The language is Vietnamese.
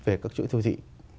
về các chuỗi siêu thị